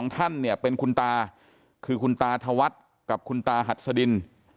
ท่านเนี่ยเป็นคุณตาคือคุณตาธวัฒน์กับคุณตาหัดสดิน